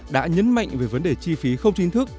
đã nhấn mạnh về vấn đề chi phí không chính thức